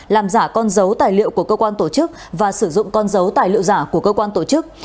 làm giả con dấu tài liệu của cơ quan tổ chức và sử dụng con dấu tài liệu giả của cơ quan tổ chức